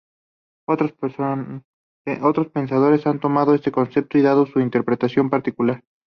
Otros pensadores han tomado este concepto y dado su interpretación particular.